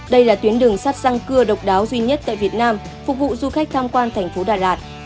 đây là tuyến đường sắt răng cưa độc đáo duy nhất tại việt nam phục vụ du khách tham quan thành phố đà lạt